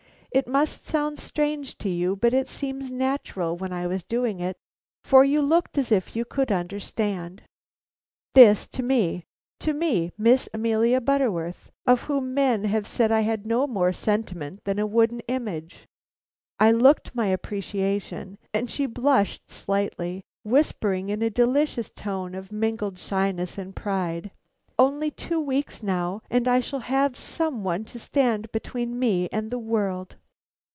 It must sound strange to you, but it seemed natural while I was doing it, for you looked as if you could understand." This to me, to me, Amelia Butterworth, of whom men have said I had no more sentiment than a wooden image. I looked my appreciation, and she, blushing slightly, whispered in a delicious tone of mingled shyness and pride: "Only two weeks now, and I shall have some one to stand between me and the world.